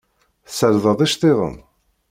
Tessardeḍ iceṭṭiḍen?